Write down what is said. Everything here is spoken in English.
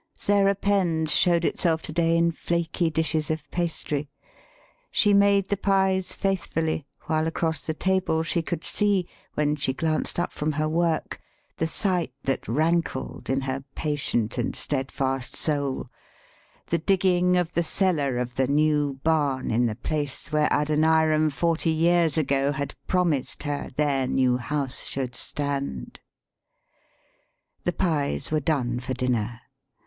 Sarah Penn's showed itself to day in flaky dishes of pastry.] She made the pies faithfully, while across the table she could see, when she glanced up from her work, the sight that rankled in her patient and steadfast soul the digging of the cellar of the new barn in the place where Adoniram forty years ago had promised her their new house should stand. The pies were done for dinner.